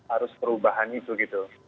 arus perubahan itu gitu